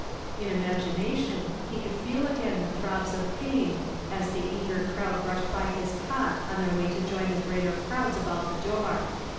In imagination he could feel again the throbs of pain as the eager crowd brushed by his cot on their way to join the greater crowds about the door.